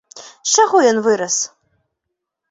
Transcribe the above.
З чаго ён вырас?